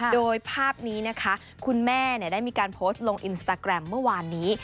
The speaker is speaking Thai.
โดยภาพนี้นะคะคุณแม่ได้มีการโพสต์ลงอินสตาแกรมเมื่อวานนี้